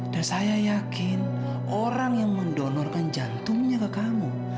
dan saya yakin orang yang mendonorkan jantungnya ke kamu